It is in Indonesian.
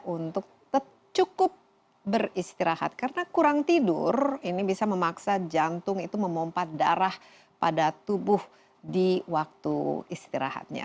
untuk cukup beristirahat karena kurang tidur ini bisa memaksa jantung itu memompat darah pada tubuh di waktu istirahatnya